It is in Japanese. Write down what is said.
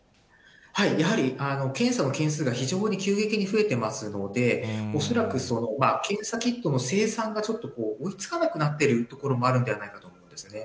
やはり、検査の件数が非常に、急激に増えていますので、恐らく検査キットの生産が追いつかなくなっているところもあるんではないかと思うんですよね。